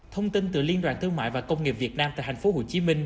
thông tin từ liên đoàn thương mại và công nghiệp việt nam tại tp hcm